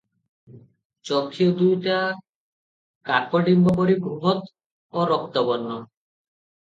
ଚକ୍ଷୁ ଦୁଇଟା କାକଡିମ୍ବ ପରି ବୃହତ୍ ଓ ରକ୍ତବର୍ଣ୍ଣ ।